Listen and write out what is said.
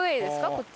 こっち。